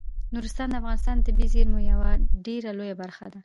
نورستان د افغانستان د طبیعي زیرمو یوه ډیره لویه برخه ده.